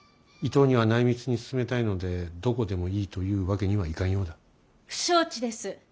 伊東には内密に進めたいのでどこでもいいというわけにはいかんようだ。不承知です。